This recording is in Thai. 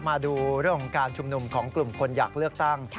มาดูเรื่องของการชุมนุมของกลุ่มคนอยากเลือกตั้ง